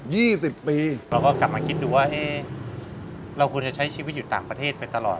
สิบปีเราก็กลับมาคิดดูว่าเอ๊ะเราควรจะใช้ชีวิตอยู่ต่างประเทศไปตลอด